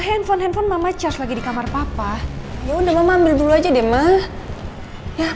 handphone handphone mama charge lagi di kamar papa ya udah mama ambil dulu aja deh mah ya